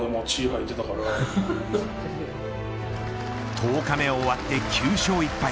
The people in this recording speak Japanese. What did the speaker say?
１０日目を終わって９勝１敗。